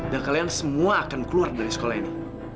dan kalian semua akan keluar dari sekolah ini